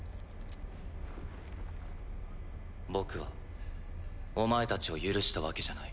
僕はお前たちを許したわけじゃない。